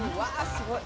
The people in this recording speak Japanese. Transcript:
すごい。